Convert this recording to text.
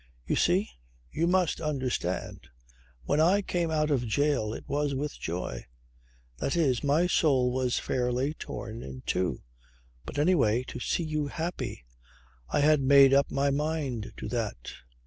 "You see, you must understand. When I came out of jail it was with joy. That is, my soul was fairly torn in two but anyway to see you happy I had made up my mind to that.